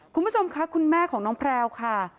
คุณผู้ชมค่ะคุณแม่ของน้องแพลวค่ะ